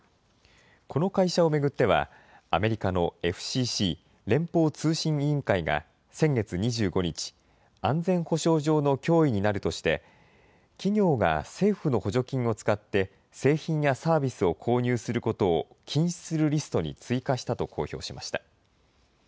この会社を巡っては、アメリカのＦＣＣ・連邦通信委員会が先月２５日、安全保障上の脅威になるとして、企業が政府の補助金を使って製品やサービスを購入することを禁止するリストに追加したと公表しました。